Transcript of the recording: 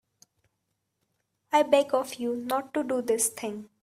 I beg of you not to do this thing.